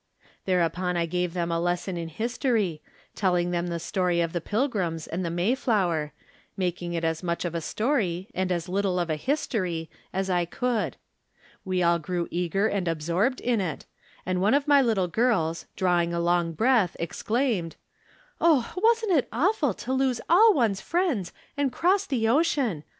Thereupon I gave them a lesson in history, telling them the story of the Pilgrims and the Mayflower, making it as much of a story, and as little of a history, as I could. We all grew eager and absorbed in it, and one of my little girls, drawing a long breath, exclaimed :" Oh, wasn't it awful to lose all one's friends and cross the ocean !